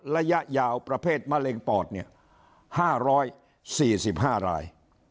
ระยะยาวประเภทมะเร็งปอด๕๔๕ราย